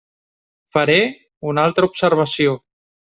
Faré una altra observació.